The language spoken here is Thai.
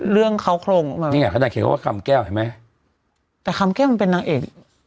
เรื่องเขาโครงมานี่ไงเขาได้เขียนคำว่าคำแก้วเห็นไหมแต่คำแก้วมันเป็นนางเอก